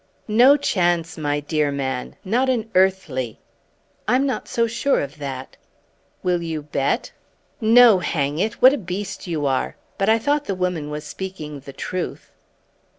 "No chance, my dear man. Not an earthly!" "I'm not so sure of that." "Will you bet?" "No, hang it! What a beast you are! But I thought the woman was speaking the truth."